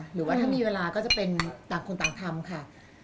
หรือว่าถ้ามีเวลาก็จะเป็นต่างคนต่างทำค่ะ